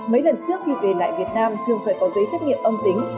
mấy lần trước khi về lại việt nam thường phải có giấy xét nghiệm âm tính